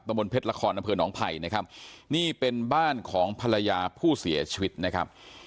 บนเพชรละครอำเภอหนองไผ่นะครับนี่เป็นบ้านของภรรยาผู้เสียชีวิตนะครับ